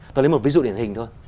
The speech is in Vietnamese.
tôi lấy một ví dụ điển hình thôi